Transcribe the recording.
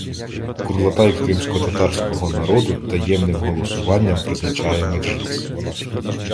Курултай кримськотатарського народу таємним голосуванням призначає меджліс.